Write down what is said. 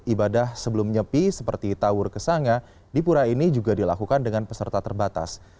ibadah sebelum nyepi seperti tawur kesanga di pura ini juga dilakukan dengan peserta terbatas